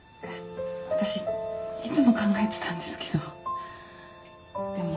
私いつも考えていたんですけどでも。